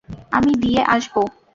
আমি দিয়ে আসবো।